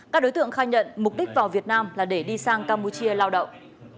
các đối tượng khai nhận mục đích vào việt nam là để đi sang campuchia lao động